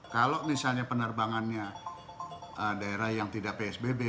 kalau misalnya penerbangannya daerah yang tidak psbb